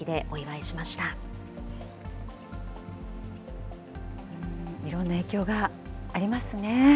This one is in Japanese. いろんな影響がありますね。